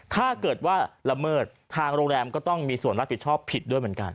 ถ้าเกิดว่าละเมิดทางโรงแรมก็ต้องมีส่วนรับผิดชอบผิดด้วยเหมือนกัน